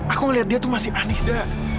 aku ngelihat dia tuh masih aneh da